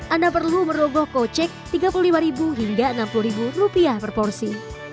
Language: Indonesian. anda perlu merogoh kocek tiga puluh lima hingga enam puluh rupiah per porsi